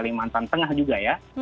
kalimantan tengah juga ya